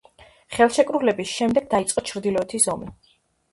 ხელშეკრულების შემდეგ დაიწყო ჩრდილოეთის ომი.